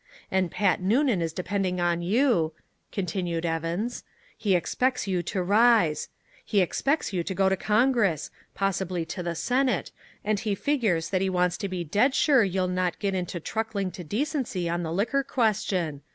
"And Pat Noonan is depending on you," continued Evans. "He expects you to rise. He expects you to go to Congress possibly to the Senate, and he figures that he wants to be dead sure you'll not get to truckling to decency on the liquor question.